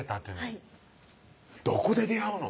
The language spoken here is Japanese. はいどこで出会うの？